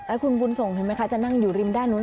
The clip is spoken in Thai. แล้วคุณบุญส่งเห็นไหมคะจะนั่งอยู่ริมด้านนู้น